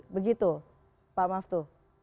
begitu pak maftu